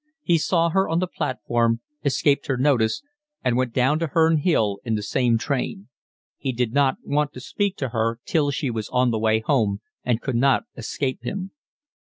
He saw her on the platform, escaped her notice, and went down to Herne Hill in the same train. He did not want to speak to her till she was on the way home and could not escape him.